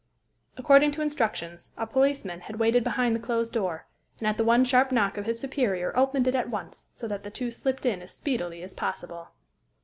According to instructions, a policeman had waited behind the closed door, and at the one sharp knock of his superior opened it at once so that the two slipped in as speedily as possible.